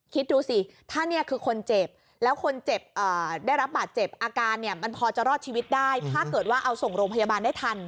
คิดดูสิถ้าเนี่ยคือคนเจ็บแล้วคนเจ็บได้รับบาดเจ็บอาการเนี่ยมันพอจะรอดชีวิตได้ถ้าเกิดว่าเอาส่งโรงพยาบาลได้ทัน